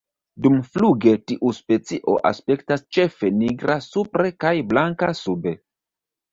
Dumfluge tiu specio aspektas ĉefe nigra supre kaj blanka sube.